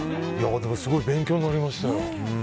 でもすごい勉強になりましたよ。